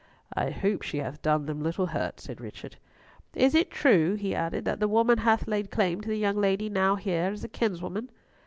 "I hope she hath done them little hurt," said Richard. "Is it true," he added, "that the woman hath laid claim to the young lady now here as a kinswoman?"